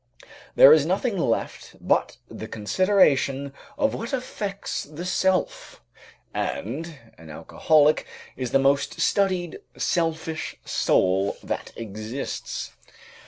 There is nothing left but the consideration of what affects the self, and an alcoholic is the most studied, selfish soul that exists.